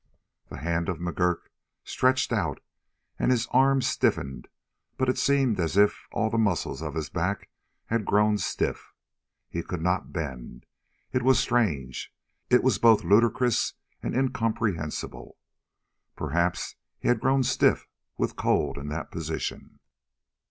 The hand of McGurk stretched out and his arm stiffened but it seemed as though all the muscles of his back had grown stiff. He could not bend. It was strange. It was both ludicrous and incomprehensible. Perhaps he had grown stiff with cold in that position.